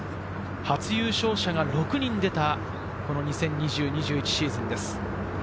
初優勝者が６人出た２０２０−２０２１シーズンです。